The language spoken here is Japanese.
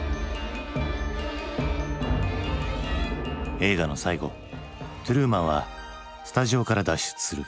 映画の最後トゥルーマンはスタジオから脱出する。